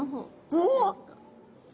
おっ！？